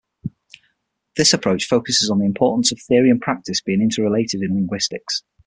This approach focuses on the importance of theory and practice being interrelated in linguistics.